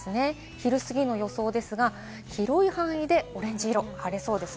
昼すぎの予想ですが、広い範囲でオレンジ色、晴れそうです。